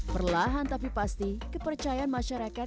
perlahan tapi pasti kepercayaan masyarakat